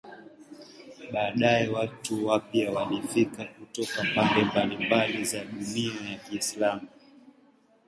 Baadaye watu wapya walifika kutoka pande mbalimbali za dunia ya Kiislamu.